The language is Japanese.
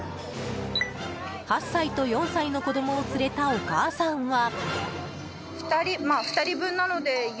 ８歳と４歳の子供を連れたお母さんは。